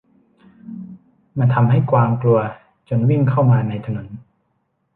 มันทำให้กวางกลัวจนวิ่งเข้ามาในถนน